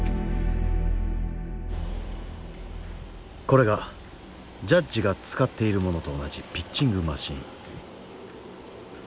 これがジャッジが使っているものと同じピッチングマシン。